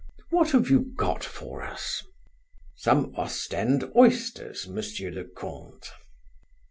What have you got for us?" "Some Ostend oysters, Monsieur le Comte."